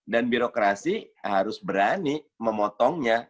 dan birokrasi harus berani memotongnya